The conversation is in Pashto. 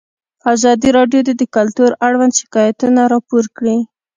ازادي راډیو د کلتور اړوند شکایتونه راپور کړي.